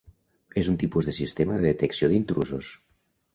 És un tipus de Sistema de detecció d'intrusos.